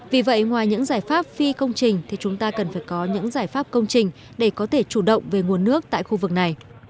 vì vậy ngoài những giải pháp phi công trình thì chúng ta cần phải có những giải pháp công trình để có thể chủ động về nguồn nước tại khu vực này